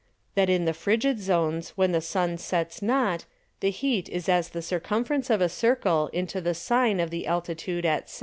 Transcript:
That in the Frigid Zones when the Sun sets not, the Heat is as the Circumference of a Circle into the Sine of the Altitude at 6.